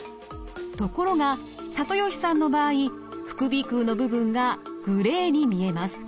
ところが里吉さんの場合副鼻腔の部分がグレーに見えます。